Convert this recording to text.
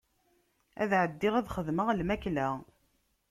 Ad ɛeddiɣ ad xedmeɣ lmakla.